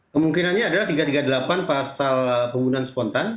kemungkinannya adalah tiga ratus tiga puluh delapan pasal pembunuhan spontan